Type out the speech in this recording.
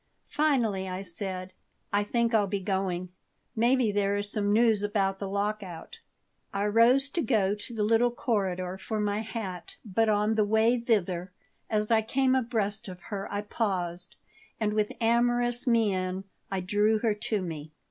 Finally I said: "I think I'll be going. Maybe there is some news about the lockout." I rose to go to the little corridor for my hat, but on my way thither, as I came abreast of her, I paused, and with amorous mien I drew her to me.